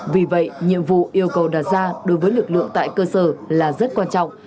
vì vậy nhiệm vụ yêu cầu đặt ra đối với lực lượng tại cơ sở là rất quan trọng